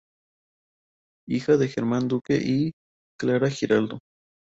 Hija de Germán Duque y Clara Giraldo.